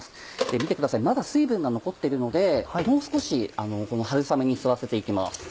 見てくださいまだ水分が残っているのでもう少しこの春雨に吸わせて行きます。